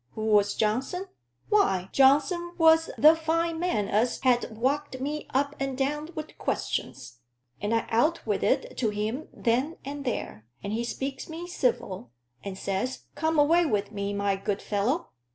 Who was Johnson? Why, Johnson was the fine man as had walked me up and down with questions. And I out with it to him then and there. And he speaks me civil, and says, 'Come away wi' me, my good fellow.'